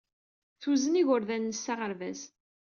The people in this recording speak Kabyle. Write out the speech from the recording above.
Tuzen igerdan-nnes s aɣerbaz.